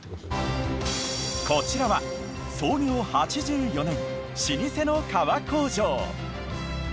こちらは創業８４年老舗の革工場。